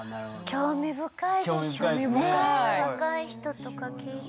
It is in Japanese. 興味深い。